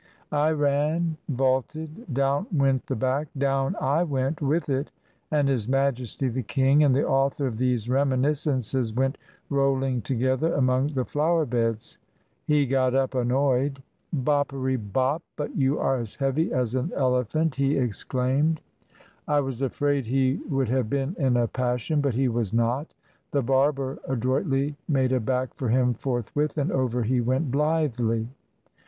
I ran, vaulted, down went the back, down I went with it; and His Majesty the King and the author of these reminiscences went rolling together among the flower beds. He got up annoyed. "Boppery bopp, but you are as heavy as an ele phant!" he exclaimed. 198 THE AMUSEMENTS OF AN EASTERN KING I was afraid he would have been in a passion, but he was not. The barber adroitly made a back for him forth with, and over he went blithely.